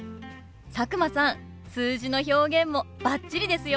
佐久間さん数字の表現もバッチリですよ。